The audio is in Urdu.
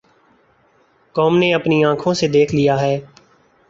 قوم نے اپنی آنکھوں سے دیکھ لیا ہے۔